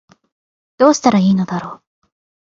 どうしたら良いのだろう